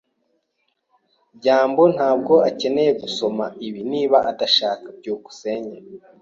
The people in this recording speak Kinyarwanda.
byambo ntabwo akeneye gusoma ibi niba adashaka. byukusenge